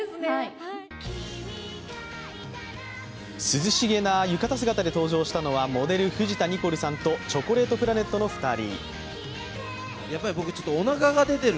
涼しげな浴衣姿で登場したのはモデル・藤田ニコルさんとチョコレートプラネットの２人。